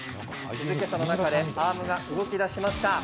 静けさの中でアームが動き出しました。